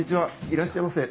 いらっしゃいませ。